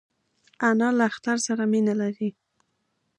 انا له اختر سره مینه لري